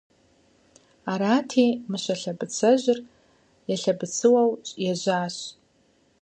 Арати, Мыщэ лъэбыцэжьыр елъэбыцыуэу ежьащ.